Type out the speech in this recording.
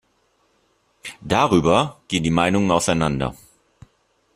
Darüber gehen die Meinungen auseinander.